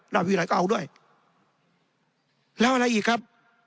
วิรัยก็เอาด้วยแล้วอะไรอีกครับ